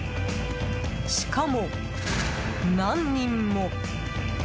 しかも、何人も！